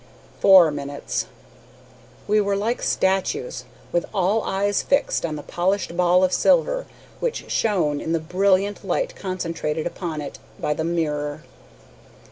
Four minutes! We were like statues, with all eyes fixed on the polished ball of silver, which shone in the brilliant light concentrated upon it by the mirror.